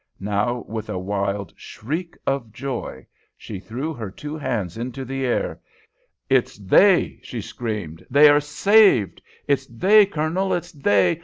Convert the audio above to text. Now, with a wild shriek of joy, she threw her two hands into the air. "It's they!" she screamed. "They are saved! It's they, Colonel, it's they!